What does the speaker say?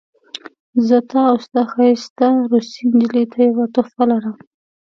زه تا او ستا ښایسته روسۍ نجلۍ ته یوه تحفه لرم